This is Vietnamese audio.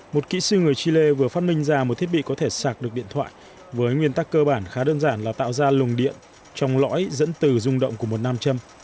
một kỹ sư người chile vừa phát minh ra một thiết bị có thể sạc được điện thoại với nguyên tắc cơ bản khá đơn giản là tạo ra lùng điện trong lõi dẫn từ rung động của một nam châm